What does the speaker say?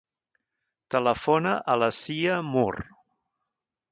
Telefona a la Sia Mur.